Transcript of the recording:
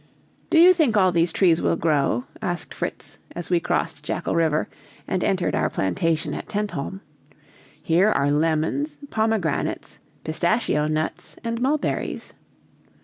"Do you think all these trees will grow?" asked Fritz, as we crossed Jackal River and entered our plantation at Tentholm: "here are lemons, pomegranates, pistachio nuts, and mulberries."